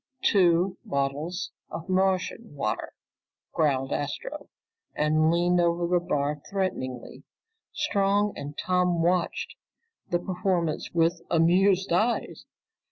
"Two bottles of Martian water!" growled Astro and leaned over the bar threateningly. Strong and Tom watched the performance with amused eyes.